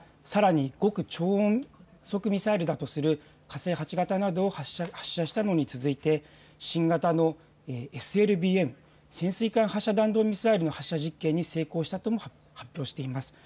またさらに極超音速ミサイルだとする火星８型などを発射したのに続いて新型のＳＬＢＭ・潜水艦発射弾道ミサイルの発射実験に成功したとも発表しています。